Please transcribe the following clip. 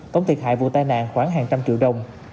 tổng thiệt hại vụ tai nạn khoảng hàng trăm triệu đồng